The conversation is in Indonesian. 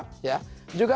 juga meningkatkan kualitas